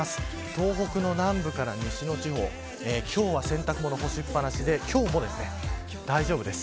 東北の南部から西の地方今日は洗濯物干しっぱなしで今日も大丈夫です。